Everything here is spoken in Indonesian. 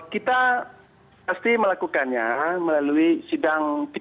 kita pasti melakukannya melalui sidang